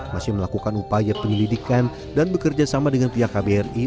masih melakukan upaya penyelidikan dan bekerja sama dengan pihak kbri